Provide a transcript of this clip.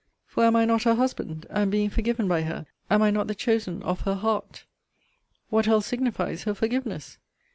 For am I not her husband? and, being forgiven by her, am I not the chosen of her heart? What else signifies her forgiveness?